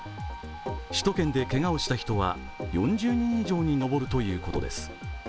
首都圏でけがをした人は４０人以上に上るということです。